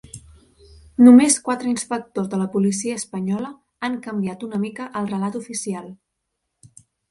Només quatre inspectors de la policia espanyola han canviat una mica el relat oficial